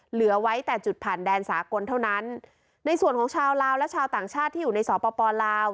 เหลือไว้แต่จุดผ่านแดนสากลเท่านั้นในส่วนของชาวลาวและชาวต่างชาติที่อยู่ในสปลาว